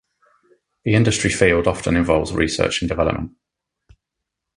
The industry field often involves research and development.